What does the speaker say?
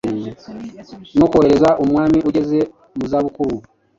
no korohereza umwami ugeze mu za bukuru